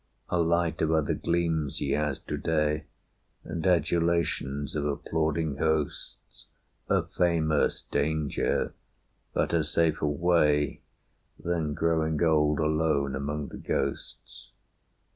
A light of other gleams he has to day And adulations of applauding hosts; A famous danger, but a safer way Than growing old alone among the ghosts.